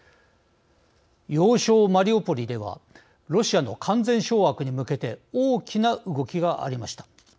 要衝マリウポリではロシアの完全掌握に向けて大きな動きがありました。